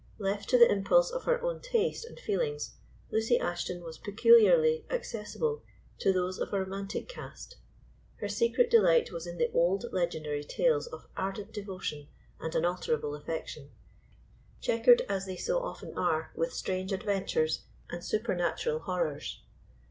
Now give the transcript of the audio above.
Left to the impulse of her own taste and feelings, Lucy Ashton was peculiarly accessible to those of a romantic cast. Her secret delight was in the old legendary tales of ardent devotion and unalterable affection, chequered as they so often are with strange adventures and supernatural horrors.